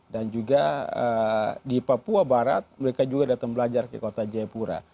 dan juga di papua barat mereka juga datang belajar di kota jayapura